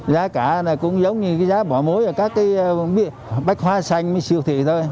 giá cả cũng giống như giá bỏ muối ở các bách hoa xanh siêu thị thôi